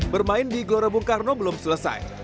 bermain di glorabung karno belum selesai